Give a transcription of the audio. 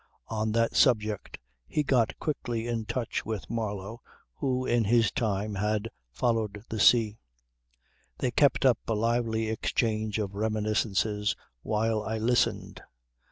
On that subject he got quickly in touch with Marlow who in his time had followed the sea. They kept up a lively exchange of reminiscences while I listened.